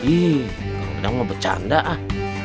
ih kang dadang mau bercanda ah